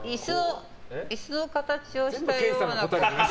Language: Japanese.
椅子の形をしたような。